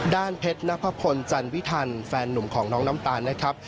เพชรนพพลจันวิทันแฟนหนุ่มของน้องน้ำตาลนะครับ